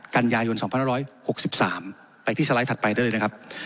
กันยายน๒๑๖๓ไปที่สไลด์ถัดไปด้วยนะครับ